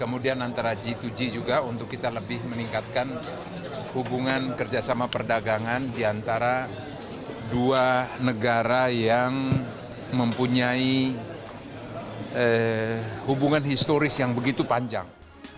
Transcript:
kemudian antara g dua g juga untuk kita lebih meningkatkan hubungan kerjasama perdagangan diantara dua negara yang mempunyai hubungan historis yang begitu panjang